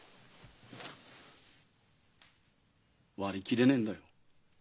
割り切れねえんだよ。